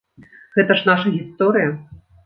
Гэта ж нашая гісторыя.